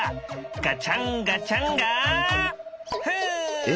ガチャンガチャンガフン！